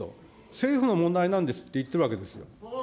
政府の問題なんですって言ってるわけです。